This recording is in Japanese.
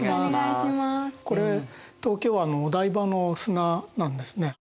これ東京湾のお台場の砂なんですね。